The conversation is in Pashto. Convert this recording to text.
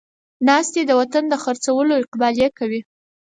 ناست دی د وطن د خر څولو اقبالې کوي